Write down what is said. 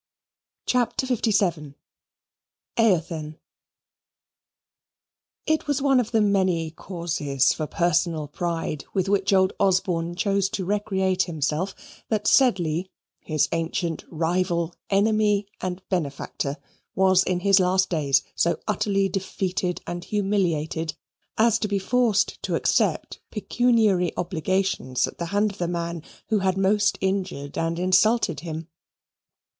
CHAPTER LVII Eothen It was one of the many causes for personal pride with which old Osborne chose to recreate himself that Sedley, his ancient rival, enemy, and benefactor, was in his last days so utterly defeated and humiliated as to be forced to accept pecuniary obligations at the hands of the man who had most injured and insulted him.